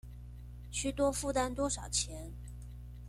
須多負擔多少錢